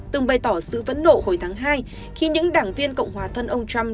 từng bày tỏ sự vấn đổ hồi tháng hai khi những đảng viên cộng hòa thân ông trump